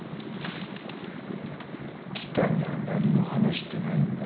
北見は何も話してないんだろ？